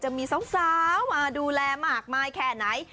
จะมีสาวมาดูแลมากมายแค่ไหน